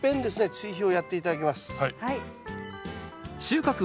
追肥をやって頂きます。